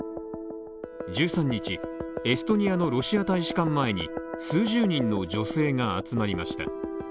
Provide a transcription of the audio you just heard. １３日、エストニアのロシア大使館前に数十人の女性が集まりました。